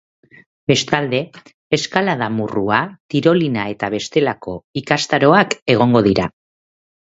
Bestalde, eskalada-murrua, tirolina eta bestelako ikastaroak egongo dira.